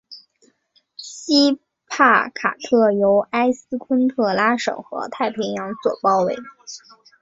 锡帕卡特由埃斯昆特拉省和太平洋所包围。